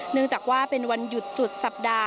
เนื่องจากว่าเป็นวันหยุดสุดสัปดาห